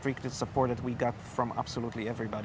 oleh dukungan yang tidak terbatas